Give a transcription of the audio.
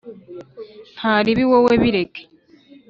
ntaribi wowe bireke